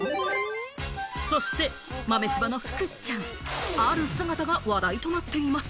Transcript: そして豆柴のフクちゃん、ある姿が話題となっています。